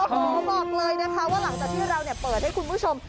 โอ้โหบอกเลยนะคะว่าหลังจากที่เราเปิดให้คุณผู้ชม